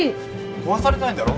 壊されたいんだろ？